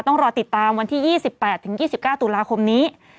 ต้องรอติดตามวันที่๒๘๒๙ตุลาคมนี้